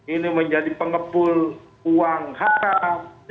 ini menjadi pengepul uang haram